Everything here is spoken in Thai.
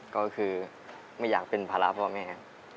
ก็คือไม่อยากเป็นภาระพ่อแม่